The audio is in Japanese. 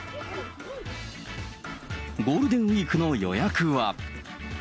ゴールデンウィークの予約は。